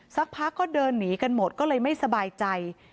สักพักก็เดินหนีกันหมดก็เลยไม่สบายใจ